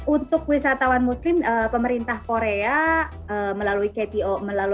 untuk wisatawan muslim pemerintah korea melalui kto